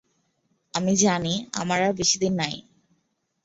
আমি জানি, আমার আর বেশি দিন নাই।